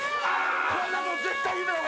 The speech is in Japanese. こんなもん絶対夢や。